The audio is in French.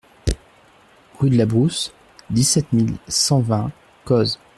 Rue de la Brousse, dix-sept mille cent vingt Cozes